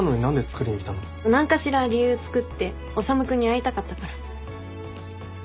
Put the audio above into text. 何かしら理由つくって修君に会いたかったから。